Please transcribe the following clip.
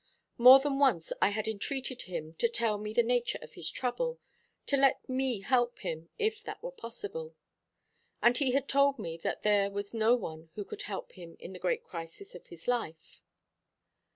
More than once I had entreated him to tell me the nature of his trouble, to let me help him, if that were possible; and he had told me that there was no one who could help him in the great crisis of his life.